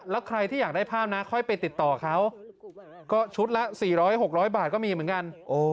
แล้วใครที่อยากได้ภาพนะค่อยไปติดต่อเขาก็ชุดละ๔๐๐๖๐๐บาทก็มีเหมือนกัน